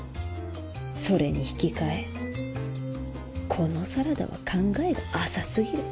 それに引き換えこのサラダは考えが浅すぎる。